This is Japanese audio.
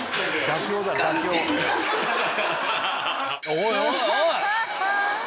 おいおいおい！